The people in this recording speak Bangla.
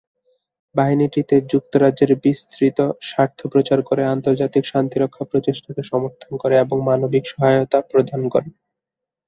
বাহিনীটি যুক্তরাজ্যের বিস্তৃত স্বার্থ প্রচার করে, আন্তর্জাতিক শান্তিরক্ষা প্রচেষ্টাকে সমর্থন করে এবং মানবিক সহায়তা প্রদান করে।